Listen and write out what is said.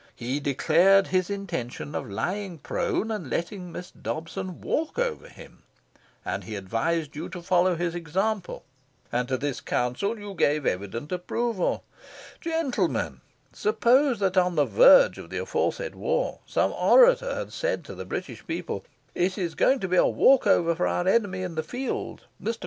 He declared his intention of lying prone and letting Miss Dobson 'walk over' him; and he advised you to follow his example; and to this counsel you gave evident approval. Gentlemen, suppose that on the verge of the aforesaid war, some orator had said to the British people 'It is going to be a walk over for our enemy in the field. Mr.